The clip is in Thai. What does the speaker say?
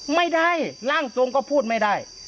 ไม่ได้ร่างทรงก็พูดไม่ได้